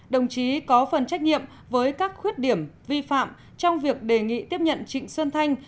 đồng chí có phần trách nhiệm với các khuyết điểm vi phạm trong việc đề nghị tiếp nhận trịnh xuân thanh